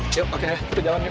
yuk oke kita jalan yuk